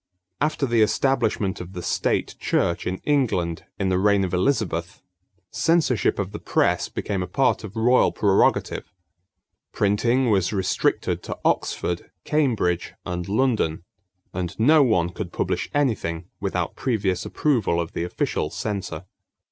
After the establishment of the State Church in England in the reign of Elizabeth, censorship of the press became a part of royal prerogative. Printing was restricted to Oxford, Cambridge, and London; and no one could publish anything without previous approval of the official censor.